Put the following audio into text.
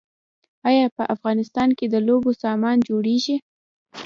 آیا په افغانستان کې د لوبو سامان جوړیږي؟